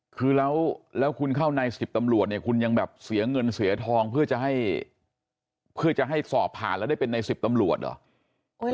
คือแล้วคุณเข้าในสิบตำรวจคุณยังแบบเสียเงินเสียทองเพื่อจะให้สอบผ่านแล้วได้เป็นในสิบตำรวจหรอ